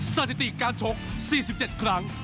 สถิติการชก๔๗ครั้ง